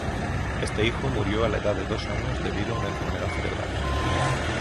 Este hijo murió a la edad de dos años debido a una enfermedad cerebral.